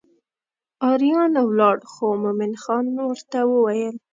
اریان ولاړ خو مومن خان ورته وویل.